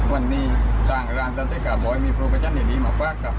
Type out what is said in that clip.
ว้าวพี่บ้าว